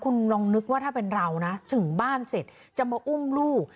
คุณลองนึกว่าถ้าเป็นเรานะถึงบ้านเสร็จจะมาอุ้มลูก